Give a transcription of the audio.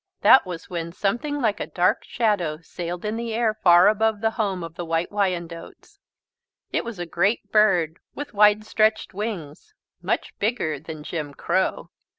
That was when something like a dark shadow sailed in the air far above the home of the White Wyandottes. It was a great bird with wide stretched wings, much bigger than Jim Crow.